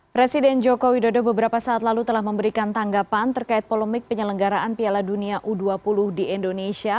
presiden joko widodo beberapa saat lalu telah memberikan tanggapan terkait polemik penyelenggaraan piala dunia u dua puluh di indonesia